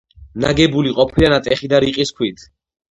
ნაგებული ყოფილა ნატეხი და რიყის ქვით.